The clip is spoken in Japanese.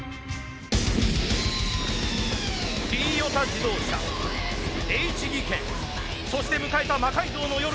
Ｔヨタ自動車Ｈ技研そして迎えた「魔改造の夜」